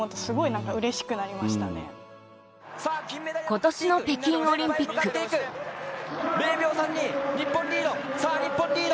今年の北京オリンピック０秒３２。